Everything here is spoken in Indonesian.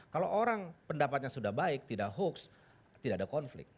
kalau orang pendapatnya sudah baik tidak hoax tidak ada konflik